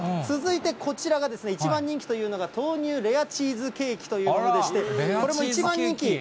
続いてこちらが、一番人気というのが豆乳レアチーズケーキというものでして、これも一番人気。